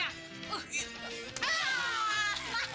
anggur gini buah